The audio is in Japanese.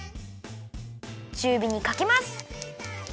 ちゅうびにかけます。